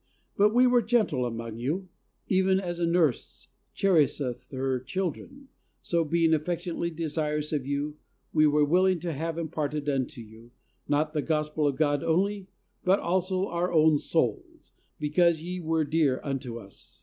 But we were gentle among you, even as a nurse cherisheth her children : so being affectionately desirous of you, we were willing to have imparted unto you, not the Gospel of God only, but also our own souls, because ye were dear unto us.